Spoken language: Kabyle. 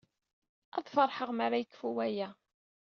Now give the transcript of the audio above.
Ad feṛḥeɣ mi ara yekfu waya.